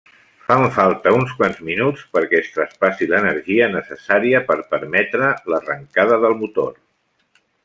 Fan falta uns quants minuts perquè es traspassi l'energia necessària per permetre l'arrencada del motor.